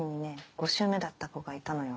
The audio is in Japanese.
５周目だった子がいたのよ。